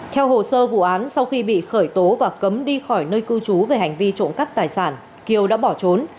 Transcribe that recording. theo hồ sơ vụ án sau khi bị khởi tố và cấm đi khỏi nơi cư trú về hành vi trộm cắp tài sản kiều đã bỏ trốn